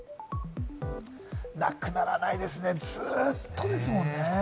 なくならないですね。ずっとですもんね。